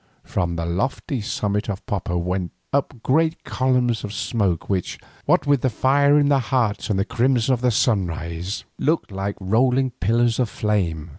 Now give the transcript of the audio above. From the lofty summit of Popo went up great columns of smoke which, what with the fire in their heart and the crimson of the sunrise, looked like rolling pillars of flame.